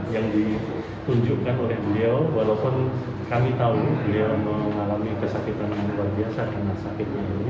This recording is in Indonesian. yang ditunjukkan oleh beliau walaupun kami tahu beliau mengalami kesakitan yang luar biasa karena sakitnya